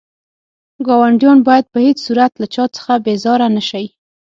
ګاونډيان بايد په هيڅ صورت له چا څخه بيزاره نه شئ.